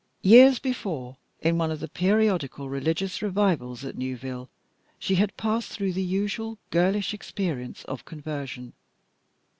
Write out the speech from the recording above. Years before, in one of the periodical religious revivals at Newville, she had passed through the usual girlish experience of conversion.